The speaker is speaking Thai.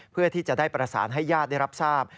เพื่อที่จะได้ประสานให้ญาติได้รับทราบ